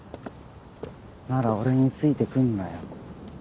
なら俺についてくんなよ。